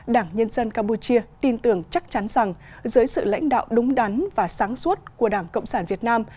đảng nhân dân campuchia tin tưởng chắc chắn rằng dưới sự lãnh đạo đúng đắn và sáng suốt của đảng cộng sản việt nam